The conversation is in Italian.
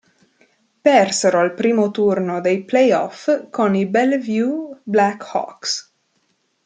Persero al primo turno dei play-off con i Bellevue Blackhawks.